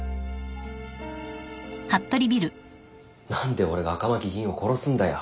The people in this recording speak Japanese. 何で俺が赤巻議員を殺すんだよ。